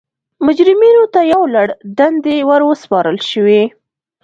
مجرمینو ته یو لړ دندې ور وسپارل شوې.